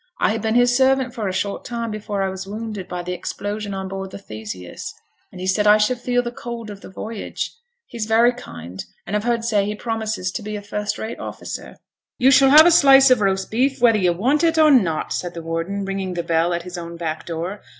I had been his servant for a short time before I was wounded by the explosion on board the Theseus, and he said I should feel the cold of the voyage. He's very kind; and I've heard say he promises to be a first rate officer.' 'You shall have a slice of roast beef, whether you want it or not,' said the warden, ringing the bell at his own back door.